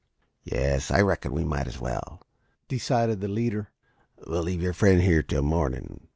"Yes, I reckon we might as well," decided the leader. "We'll leave your friend here till morning.